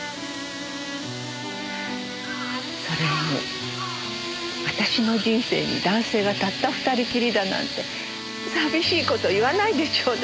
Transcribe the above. それに私の人生に男性がたった２人きりだなんて寂しい事言わないでちょうだい。